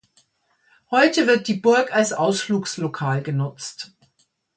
Heute wird die Burg als Ausflugslokal genutzt.